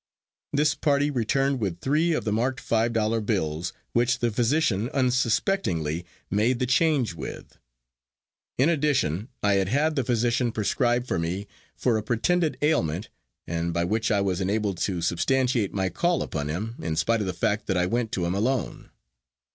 This party returned with three of the marked five dollar bills, which the physician unsuspectingly made the change with. In addition, I had had the physician prescribe for me for a pretended ailment, and by which I was enabled to substantiate my call upon him, in spite of the fact that I went to him alone.